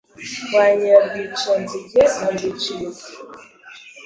Rwa Nyirarwicanzige na Rwicirizi